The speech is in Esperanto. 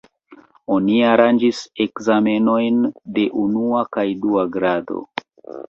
Oni aranĝis ekzamenojn de unua kaj dua grado.